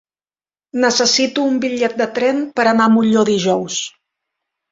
Necessito un bitllet de tren per anar a Molló dijous.